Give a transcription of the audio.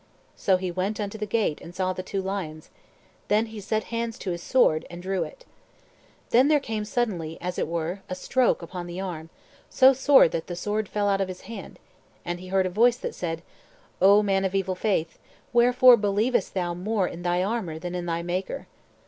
So he went unto the gate, and saw the two lions; then he set hands to his sword, and drew it. Then there came suddenly as it were a stroke upon the arm, so sore that the sword fell out of his hand, and he heard a voice that said, "O man of evil faith, wherefore believest thou more in thy armor than in thy Maker?"